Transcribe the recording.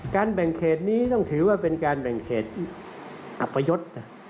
แบ่งเขตนี้ต้องถือว่าเป็นการแบ่งเขตอัพยศ